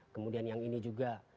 kemudian yang ini juga